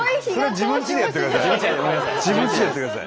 自分ちでやってください。